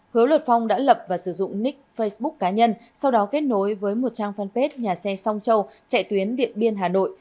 hứa luật phong đã lập và sử dụng nick facebook cá nhân sau đó kết nối với một trang fanpage nhà xe song châu chạy tuyến điện biên hà nội